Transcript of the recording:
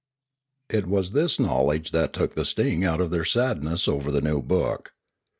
It was this knowledge that took the sting out of their sadness over the new book.